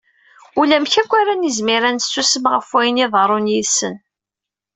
Ulamek akk ara nizmir ad nessusem, ɣef wayen i iḍerrun yid-sen.